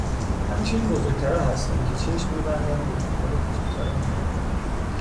همیشه این بزرگترا هستن که چشم میبندن و به دنبال کوچیکترا میگردن